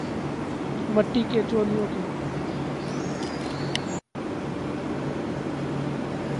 مٹی کے چولہوں کے